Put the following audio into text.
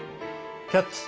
「キャッチ！